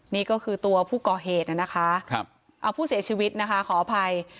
นี่ก็คือตัวผู้ก่อเหตุนะคะเอาผู้เสียชีวิตนะคะขออภัย